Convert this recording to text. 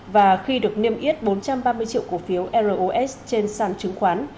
và khi được niêm yết bốn trăm ba mươi triệu cổ phiếu ros trên sàn chứng khoán